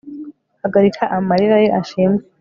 hagarika amarira ye ashimwe